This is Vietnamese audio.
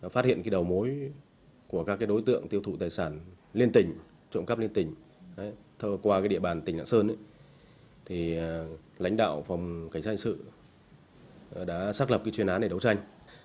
phát hiện đầu mối của các đối tượng tiêu thụ tài sản liên tỉnh trộm cắp liên tỉnh qua địa bàn tỉnh lạng sơn lãnh đạo phòng cảnh sát hình sự đã xác lập chuyên án để đấu tranh